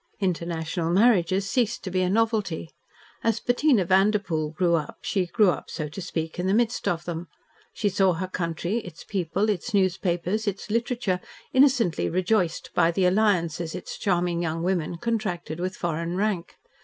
International marriages ceased to be a novelty. As Bettina Vanderpoel grew up, she grew up, so to speak, in the midst of them. She saw her country, its people, its newspapers, its literature, innocently rejoiced by the alliances its charming young women contracted with foreign rank.